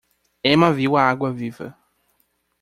Emma viu a água-viva.